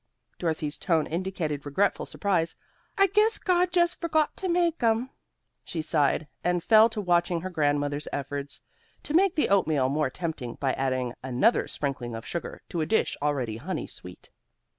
Dorothy's tone indicated regretful surprise. "I guess God jus' forgot to make 'em," she sighed, and fell to watching her grandmother's efforts to make the oatmeal more tempting, by adding another sprinkling of sugar to a dish already honey sweet.